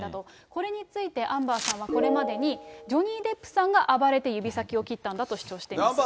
これについてアンバーさんはこれまでに、ジョニー・デップさんが暴れて指先を切ったんだと主張しています。